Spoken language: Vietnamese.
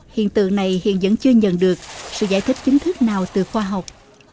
hiện tượng này hiện vẫn chưa nhận được sự giải thích chính thức nào từ khoa học